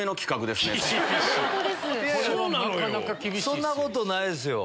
そんなことないですよ。